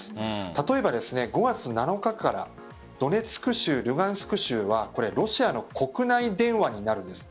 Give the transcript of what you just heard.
例えば５月７日からドネツク州、ルガンスク州はロシアの国内電話になるんです。